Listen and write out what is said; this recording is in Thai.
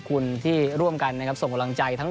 ก็จะเมื่อวันนี้ตอนหลังจดเกม